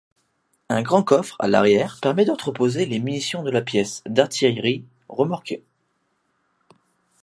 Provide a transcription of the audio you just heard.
Un grand coffre à l'arrière permet d'entreposer les munitions de la pièce d'artillerie remorquée.